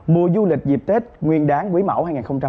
mùa du lịch dịp tết nguyên đáng quý mẫu hai nghìn hai mươi bốn